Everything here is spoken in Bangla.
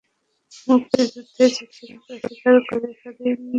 মুক্তিযুদ্ধের চেতনাকে অস্বীকার করে স্বাধীন বাংলাদেশে বাস করার কোনো সুযোগ নেই।